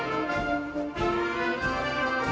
แห่งพระมหาศัตริย์เจ้า